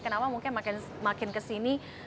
kenapa mungkin makin kesini